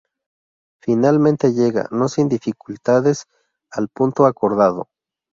Finalmente llega, no sin dificultades al punto acordado.